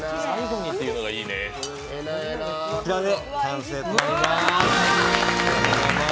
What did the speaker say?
こちらで完成となります。